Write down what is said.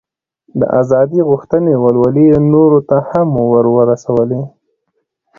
د ازادۍ غوښتنې ولولې یې نورو ته هم ور ورسولې.